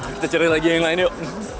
kita cari lagi yang lain yuk